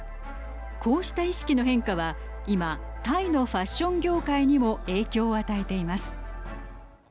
こうした意識の変化は、今タイのファッション業界にも影響を与えています。